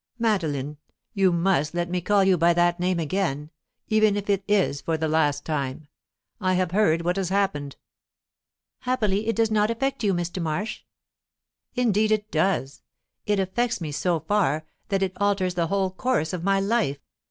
"Madeline you must let me call you by that name again, even if it is for the last time I have heard what has happened." "Happily it does not affect you, Mr. Marsh." "Indeed it does. It affects me so far, that it alters the whole course of my life.